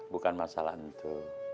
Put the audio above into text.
bukan masalah itu